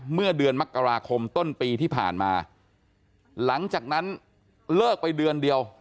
เมื่อเดือนมกราคมต้นปีที่ผ่านมาหลังจากนั้นเลิกไปเดือนเดียว